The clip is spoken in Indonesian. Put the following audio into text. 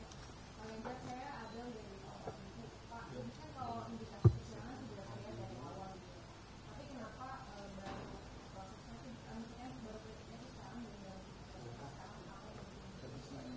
kita ambil yang terluka